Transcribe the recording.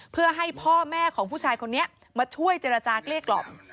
เพื่อให้พ่อแม่ของผู้ชายคนนี้มาช่วยเจรจาเกลี้ยกล่อม